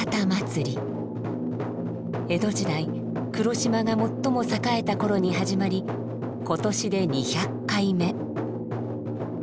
江戸時代黒島が最も栄えたころに始まり今年で２００回目。